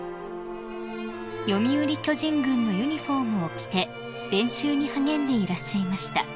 ［読売巨人軍のユニホームを着て練習に励んでいらっしゃいました］